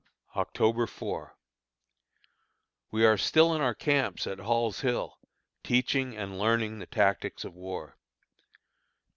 October 4. We are still in our camps at Hall's Hill, teaching and learning the tactics of war.